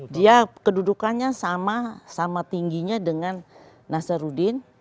dia kedudukannya sama tingginya dengan nazarudin